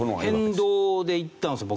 変動でいったんですよ